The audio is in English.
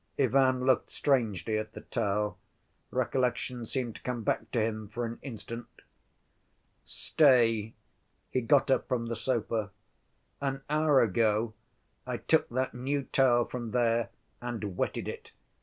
Ivan looked strangely at the towel: recollection seemed to come back to him for an instant. "Stay"—he got up from the sofa—"an hour ago I took that new towel from there and wetted it.